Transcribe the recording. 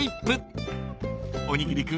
［おにぎり君